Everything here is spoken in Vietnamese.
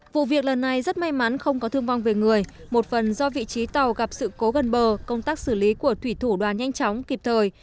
vụ việc lần này rất may mắn không có thương vong về người một phần do vị trí tàu gặp sự cố gần bờ công tác xử lý của thủy thủ đoàn nhanh chóng kịp thời